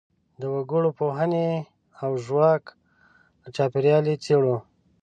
د وګړپوهنې او ژواک له چاپیریال یې څېړو.